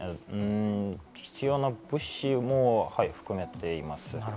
必要な物資も含めています。